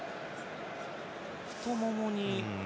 太ももに。